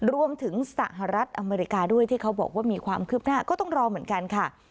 สหรัฐอเมริกาด้วยที่เขาบอกว่ามีความคืบหน้าก็ต้องรอเหมือนกันค่ะ